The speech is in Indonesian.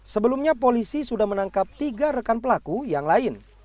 sebelumnya polisi sudah menangkap tiga rekan pelaku yang lain